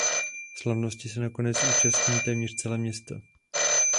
Slavnosti se nakonec účastní téměř celé město.